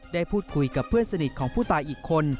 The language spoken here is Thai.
ได้พูดคุยกับเพื่อนสนิทของผู้ตายอีกคน